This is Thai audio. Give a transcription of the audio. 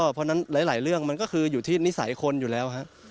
เพราะฉะนั้นหลายเรื่องมันก็คืออยู่ที่นิสัยคนอยู่แล้วครับ